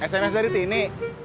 sms dari tini